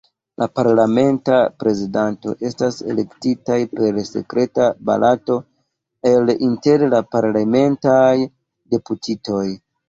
La parlamentaj prezidantoj estas elektataj per sekreta baloto el inter la parlamentaj deputitoj.